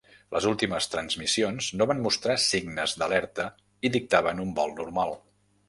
Les últimes transmissions no van mostrar signes d'alerta i dictaven un vol normal.